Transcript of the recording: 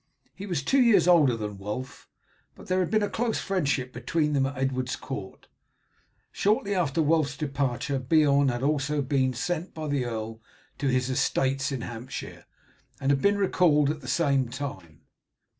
He was two years older than Wulf, but there had been a close friendship between them at Edward's court. Shortly after Wulf's departure Beorn had also been sent by the earl to his estates in Hampshire, and had been recalled at the same time.